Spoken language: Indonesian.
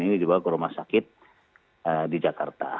ini dibawa ke rumah sakit di jakarta